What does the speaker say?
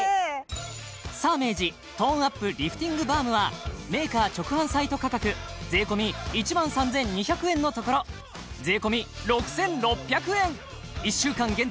サーメージトーンアップリフティングバームはメーカー直販サイト価格税込１万３２００円のところ税込６６００円１週間限定